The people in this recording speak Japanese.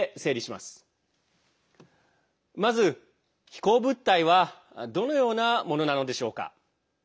まず、飛行物体はどのようなものなのでしょうか。